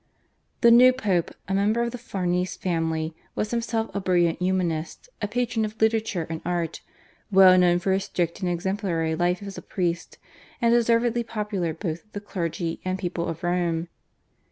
The new Pope, a member of the Farnese family, was himself a brilliant Humanist, a patron of literature and art, well known for his strict and exemplary life as a priest, and deservedly popular both with the clergy and people of Rome.